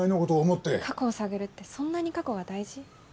過去を探るってそんなに過去が大事？